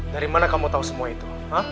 dari mana kamu tahu semua itu